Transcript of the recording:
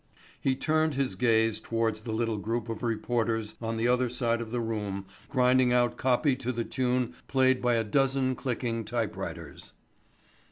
He turned his gaze towards the little group of reporters on the other side of the room grinding out copy to the tune played by a dozen clicking typewriters.